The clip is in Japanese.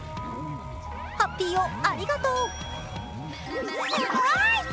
ハッピーをありがとう！